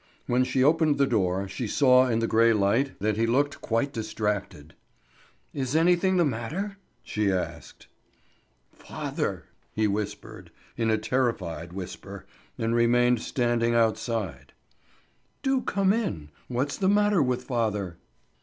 When she opened the door, she saw in the grey light that he looked quite distracted. "Is anything the matter?" she asked. "Father!" he whispered in a terrified whisper, and remained standing outside. "Do come in! What's the matter with father?"